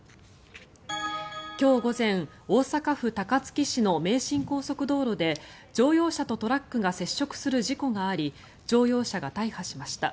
今日午前大阪府高槻市の名神高速道路で乗用車とトラックが接触する事故があり乗用車が大破しました。